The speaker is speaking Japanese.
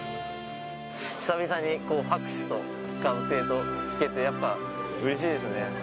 久々に拍手と歓声と聞けて、やっぱうれしいですね。